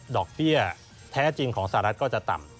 เบี้ยแท้จริงของสหรัฐก็จะต่ำ